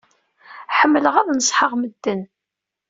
Ḥemmleɣ ad neṣḥeɣ medden.